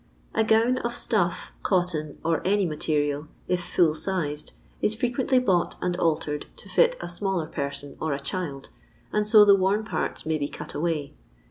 A gown of stuff, cotton, or any material, if fuU sised, is frequently bought and altered to fit a smaller person or a child, and so the worn parts may be cut away.